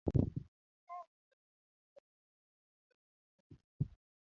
diher mondo ineri kode kendo?